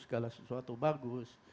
segala sesuatu bagus